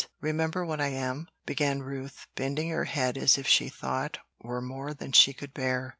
Remember what I am," began Ruth, bending her head as if the thought were more than she could bear.